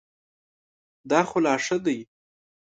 دا خو لا ښه دی .